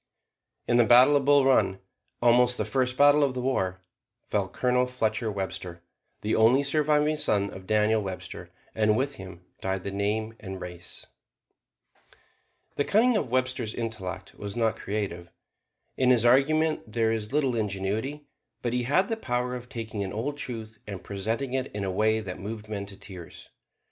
In the battle of Bull Run, almost the first battle of the war, fell Colonel Fletcher Webster, the only surviving son of Daniel Webster, and with him died the name and race. The cunning of Webster's intellect was not creative. In his argument there is little ingenuity; but he had the power of taking an old truth and presenting it in a way that moved men to tears.